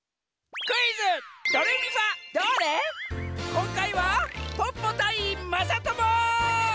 こんかいはポッポたいまさとも！